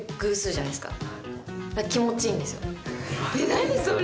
何それ！